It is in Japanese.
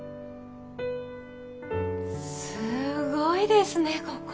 すごいですねここ。